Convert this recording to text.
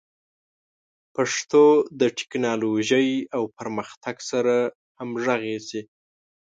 پښتو د ټکنالوژۍ او پرمختګ سره همغږي شي.